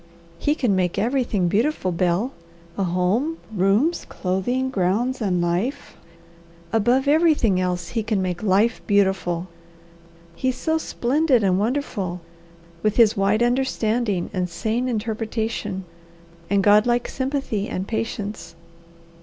He can make everything beautiful, Bel, a home, rooms, clothing, grounds, and life above everything else he can make life beautiful. He's so splendid and wonderful, with his wide understanding and sane interpretation and God like sympathy and patience.